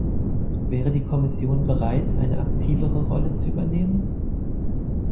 Wäre die Kommission bereit, eine aktivere Rolle zu übernehmen?